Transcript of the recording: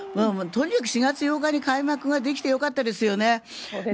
とにかく４月８日に開幕ができてよかったですよね。